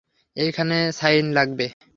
এখানে সাইন লাগবে।